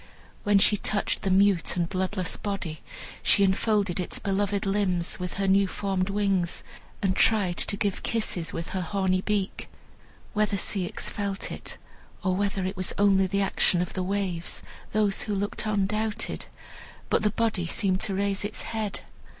When she touched the mute and bloodless body, she enfolded its beloved limbs with her new formed wings, and tried to give kisses with her horny beak. Whether Ceyx felt it, or whether it was only the action of the waves, those who looked on doubted, but the body seemed to raise its head.